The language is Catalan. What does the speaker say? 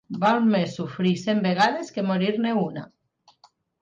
Val més sofrir cent vegades que morir-ne una.